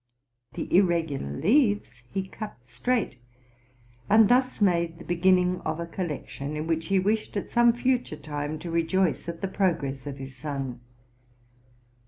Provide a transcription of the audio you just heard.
The ir regular leaves he cut straight, and thus made the begin ning of a collection, in which he wished, at some future time, to rejoice at the progress of his son.